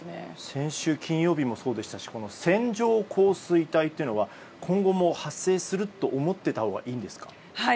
先週金曜日もそうでしたし線状降水帯というのは今後も発生すると思っていたほうがいいんですか？